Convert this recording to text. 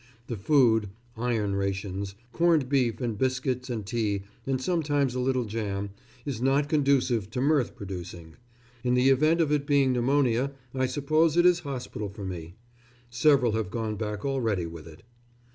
The food (iron rations), corned beef and biscuits and tea, and sometimes a little jam, is not conducive to mirth producing. In the event of it being pneumonia I suppose it is hospital for me. Several have gone back already with it....